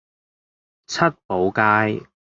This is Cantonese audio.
七寶街